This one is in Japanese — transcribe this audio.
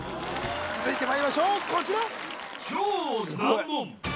続いてまいりましょうこちら